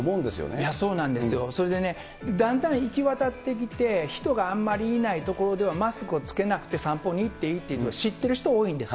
いや、そうなんですよね、それでだんだん行き渡ってきて、人があんまりいない所では、マスクを着けなくて散歩に行っていいと知ってる人、多いんです。